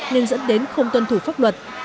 nên dẫn đến không tuân thủ pháp luật